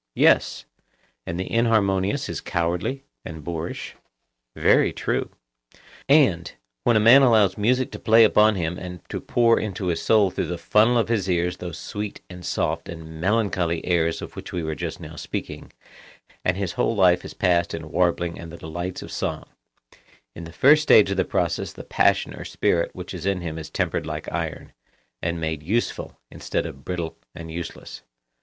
Yes. And the inharmonious is cowardly and boorish? Very true. And, when a man allows music to play upon him and to pour into his soul through the funnel of his ears those sweet and soft and melancholy airs of which we were just now speaking, and his whole life is passed in warbling and the delights of song; in the first stage of the process the passion or spirit which is in him is tempered like iron, and made useful, instead of brittle and useless.